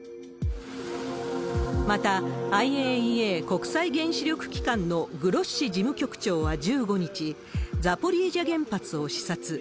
また、ＩＡＥＡ・国際原子力機関のグロッシ事務局長は１５日、ザポリージャ原発を視察。